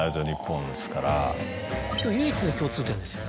唯一の共通点ですよ。